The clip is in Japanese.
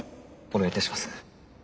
お願いいたします。